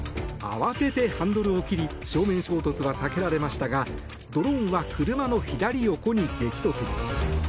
慌ててハンドルを切り正面衝突は避けられましたがドローンは車の左横に激突。